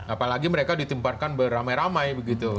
apalagi mereka ditempatkan beramai ramai begitu